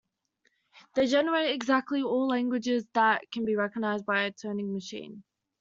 They generate exactly all languages that can be recognized by a Turing machine.